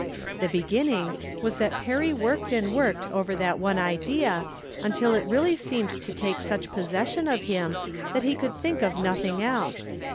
The begin ning was that Perry worked and worked over that one idea until it really seemed to take such possession of him that he could think of nothing else.